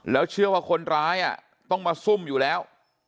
แล้วเชื่อว่าคนร้ายต้องมาซุ่มอยู่แล้ว